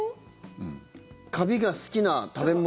カビが好きな食べ物。